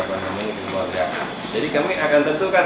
jadi kami akan tentukan